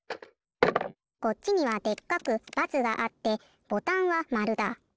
こっちにはでっかく×があってボタンは○だ。